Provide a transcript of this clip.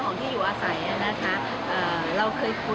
ลุงเอี่ยมปฏิเสธความช่วยเหลือหลายด้านเลยค่ะ